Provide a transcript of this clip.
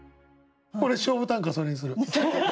俺勝負短歌それにする。